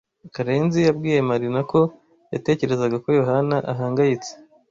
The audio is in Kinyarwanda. Karenzi yabwiye Marina ko yatekerezaga ko Yohana ahangayitse.